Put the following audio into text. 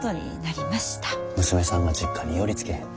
娘さんが実家に寄りつけへんて。